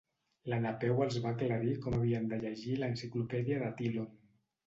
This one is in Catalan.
La Napeu els va aclarir com havien de llegir l'enciclopèdia de Tlön.